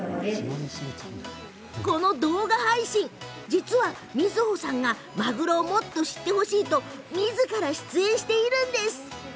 実は、みづほさんがマグロをもっと知ってほしいとみずからが出演しているんです。